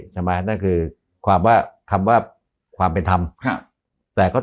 ใช่ไหมนั่นคือความว่าคำว่าความเป็นทำใช่แต่ก็ต้อง